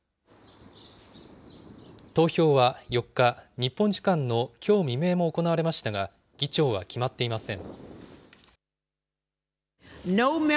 投票は４日、日本時間のきょう未明も行われましたが、議長は決まっていません。